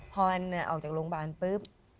พออันนี้ออกจากโรงกาลปื๊บ